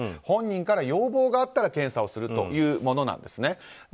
本人から要望があったら検査をするというものなんです。